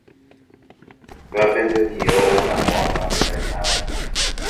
péva pende tio ouramóva Francia retãgui